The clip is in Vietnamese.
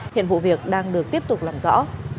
hiện vụ việc đang được tiếp tục làm rõ